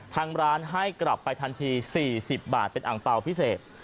ทางร้านให้กลับไปทันที๔๐บาทเป็นอังเปล่าพิเศษ